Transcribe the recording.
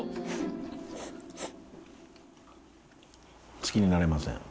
好きになれません。